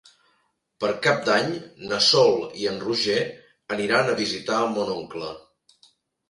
Per Cap d'Any na Sol i en Roger aniran a visitar mon oncle.